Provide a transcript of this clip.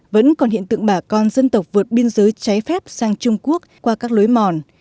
vẫn còn hiện tượng bà con dân tộc vượt biên giới trái phép sang trung quốc qua các lối mòn